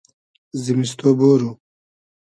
زیمیستو بۉرو